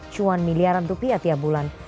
cuan miliaran rupiah tiap bulan